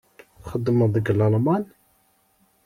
Txedmeḍ deg Lalman?